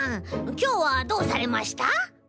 きょうはどうされました？